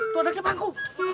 itu anaknya pangku